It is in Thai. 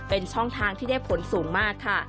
เป็นช่องทางที่ได้ผลสูงมากค่ะ